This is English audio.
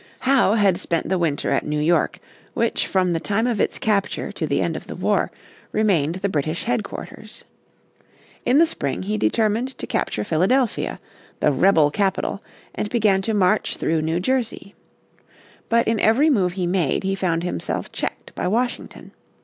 Howe had spent the winter at New York, which from the time of its capture to the end of the war, remained the British headquarters. In the spring he determined to capture Philadelphia, the "revel capital," and began to march through New Jersey. But in every move he made he found himself checked by Washington.